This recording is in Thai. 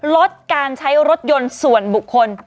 ลดการใช้รถยนต์ส่วนบุคคล